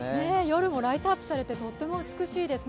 夜もライトアップされて、とっても美しいです。